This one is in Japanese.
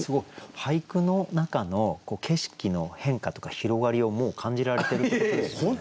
俳句の中の景色の変化とか広がりをもう感じられてるってことですよね。